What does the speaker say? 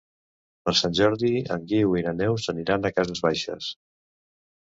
Per Sant Jordi en Guiu i na Neus aniran a Cases Baixes.